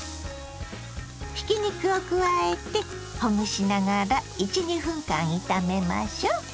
ひき肉を加えてほぐしながら１２分間炒めましょう。